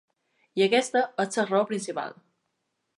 I aquesta és la raó principal.